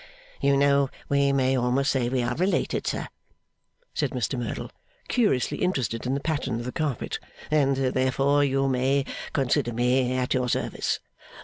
'You know we may almost say we are related, sir,' said Mr Merdle, curiously interested in the pattern of the carpet, 'and, therefore, you may consider me at your service.